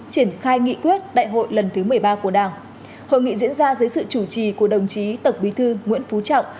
triển khai nghị quyết đại hội lần thứ một mươi ba của đảng hội nghị diễn ra dưới sự chủ trì của đồng chí tổng bí thư nguyễn phú trọng